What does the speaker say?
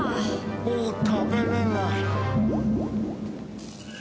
もう食べれない。